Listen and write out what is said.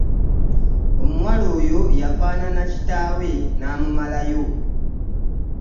Omuwala oyo yafaanana kitaawe n'amumalayo.